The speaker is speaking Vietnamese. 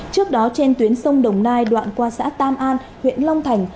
trước đó trên tuyến sông đồng nai đoạn qua xã tam an huyện long thành